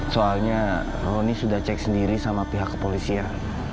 soalnya roni sudah cek sendiri sama pihak kepolisian